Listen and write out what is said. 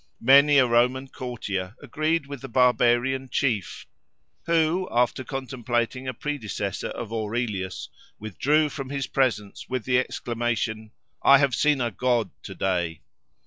Many a Roman courtier agreed with the barbarian chief, who, after contemplating a predecessor of Aurelius, withdrew from his presence with the exclamation:—"I have seen a god to day!"